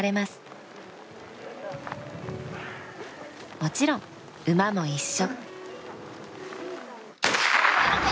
もちろん馬も一緒。